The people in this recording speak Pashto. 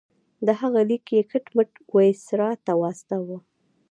د هغه لیک یې کټ مټ وایسرا ته واستاوه.